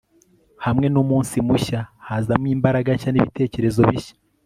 hamwe n'umunsi mushya hazamo imbaraga nshya n'ibitekerezo bishya